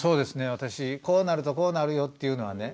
私こうなるとこうなるよって言うのはね